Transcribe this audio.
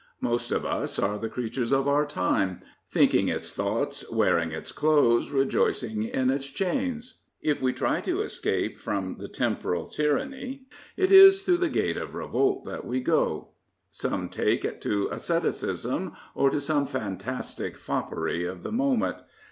Most of us are the creatures of our time, thinking its thoughts, wearing its clothes, rejoicing in its chains. If we try to escape from the temporal tyranny, it is through the gate of revolt that we go. Some take to asceticism or to some fantastic foppery of the moment.